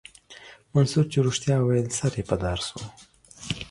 منصور چې رښتيا ويل سر يې په دار سو.